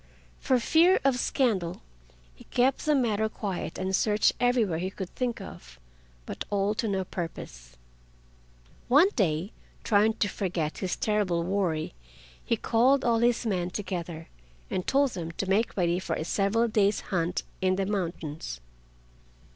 For fear of scandal he kept the matter quiet and searched everywhere he could think of, but all to no purpose. One day, trying to forget his terrible worry, he called all his men together and told them to make ready for a several days' hunt in the mountains.